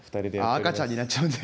赤ちゃんになっちゃうんで。